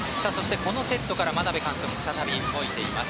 このセットから眞鍋監督は再び動いています。